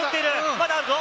まだあるぞ！